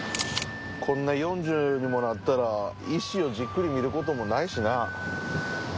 こんな４０歳にもなったら石をじっくり見るコトもないしな。